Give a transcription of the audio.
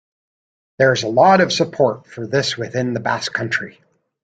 There is a lot of support for this within the Basque Country.